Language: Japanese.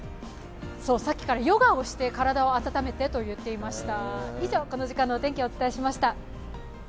さっきからヨガをして体を温めてと言ってました。